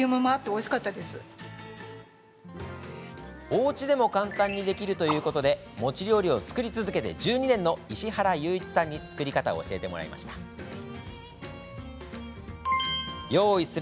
おうちでも簡単にできるということで餅料理を作り続けて１２年の石原佑一さんに作り方を教えてもらいます。